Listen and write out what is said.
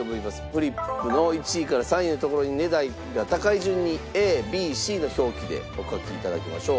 フリップの１位から３位のところに値段が高い順にＡＢＣの表記でお書きいただきましょう。